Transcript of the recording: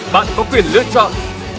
bạn có quyền lựa chọn